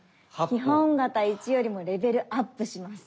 基本形１よりもレベルアップします。